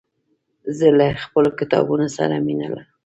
زه له خپلو کتابونو سره مينه لرم.